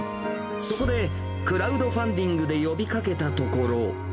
そこで、クラウドファンディングで呼びかけたところ。